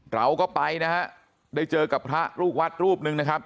เราก็ไปนะฮะได้เจอกับพระลูกวัดรูปหนึ่งนะครับ